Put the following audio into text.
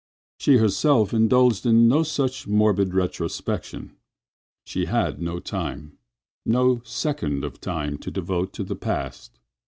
She herself indulged in no such morbid retrospection. She had no time—no second of time to devote to the past.